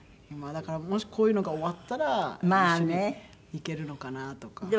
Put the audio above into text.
まあだからもしこういうのが終わったら一緒に行けるのかな？とか。